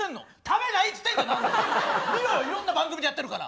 見ろよいろんな番組でやってるから。